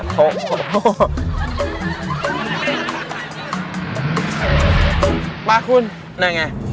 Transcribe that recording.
ป่ะคุณไหนไง